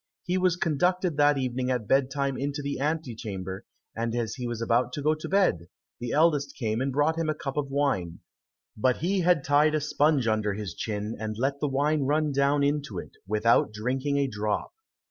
He was conducted that evening at bed time into the ante chamber, and as he was about to go to bed, the eldest came and brought him a cup of wine, but he had tied a sponge under his chin, and let the wine run down into it, without drinking a drop.